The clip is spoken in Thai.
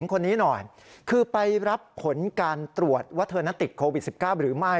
คนนี้หน่อยคือไปรับผลการตรวจว่าเธอนั้นติดโควิด๑๙หรือไม่